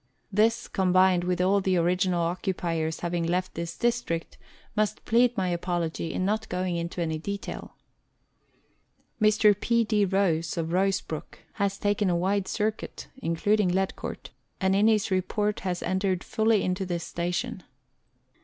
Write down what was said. This, combined with all the original occupiers having left this district, must plead my apology in not going into any detail. Mr. P. D. Rose, of Rosebrook, has taken a wide circuit (including Ledcourt), and in his report has entered fully into this station.